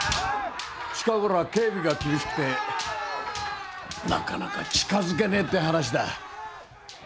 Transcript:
近頃は警備が厳しくてなかなか近づけねえって話だ。